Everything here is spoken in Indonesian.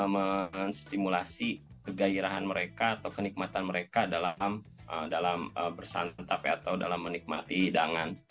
menstimulasi kegairahan mereka atau kenikmatan mereka dalam bersantap atau dalam menikmati hidangan